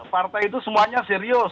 partai itu semuanya serius